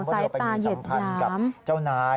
ใส่ตาเหยียดหยามก็เดี๋ยวไปมีสัมพันธ์กับเจ้านาย